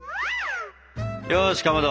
よしかまど！